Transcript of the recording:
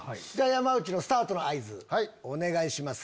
山内のスタートの合図お願いします。